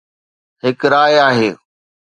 هڪ راء آهي